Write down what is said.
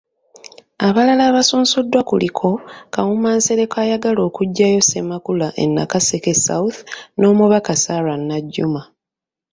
Abalala abasunsuddwa kuliko; Kawuma Nsereko ayagala okuggyayo Ssemakula e Nakaseke South, n'Omubaka Sarah Najjuma.